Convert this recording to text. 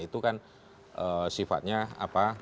itu kan sifatnya apa